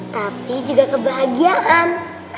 tapi juga kebahagiaan